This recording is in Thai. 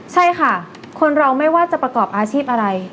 ใช่ค่ะคนเราไม่ว่าจะประกอบอาชีพอะไร